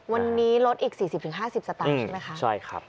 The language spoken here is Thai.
วันนี้ลดอีก๔๐๕๐สตางค์ใช่ไหมคะใช่ครับ